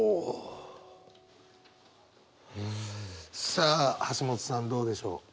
さあ橋本さんどうでしょう？